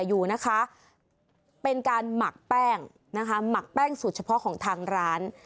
อยู่นะคะเป็นการหมักแป้งนะคะหมักแป้งสูตรเฉพาะของทางร้าน